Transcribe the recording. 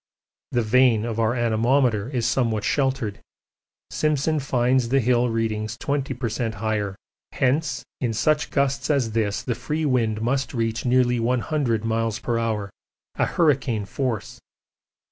The vane of our anemometer is somewhat sheltered: Simpson finds the hill readings 20 per cent. higher. Hence in such gusts as this the free wind must reach nearly 100 m.p.h. a hurricane force.